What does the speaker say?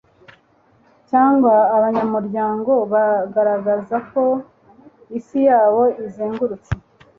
cyangwa abanyamurwango bagaragaza ko isi yabo izengurutse